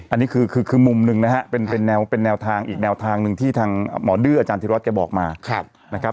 อันนี้คือมุมหนึ่งนะฮะเป็นแนวทางอีกแนวทางหนึ่งที่ทางหมอดื้ออาจารธิวัตแกบอกมานะครับ